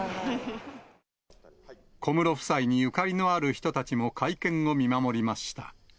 小室夫妻にゆかりのある人たちも、会見を見守りました。